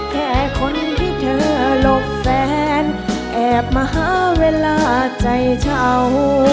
แค่คนที่เธอหลบแฟนแอบมาหาเวลาใจเฉา